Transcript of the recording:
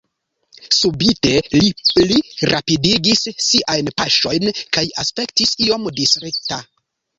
Subite li pli rapidigis siajn paŝojn kaj aspektis iom distrita.